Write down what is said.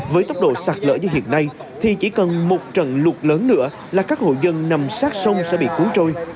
với tốc độ sạt lở như hiện nay thì chỉ cần một trận lụt lớn nữa là các hộ dân nằm sát sông sẽ bị cuốn trôi